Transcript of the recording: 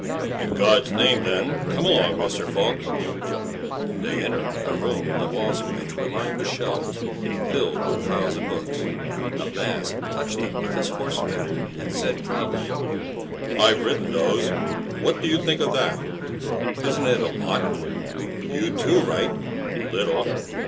"In God's name, then! Come along Mr. Falk." They entered a room the walls of which were lined with shelves, filled with piles of books. The mask touched them with his horsewhip and said proudly: "I've written those! What do you think of that? Isn't it a lot? You, too, write a little.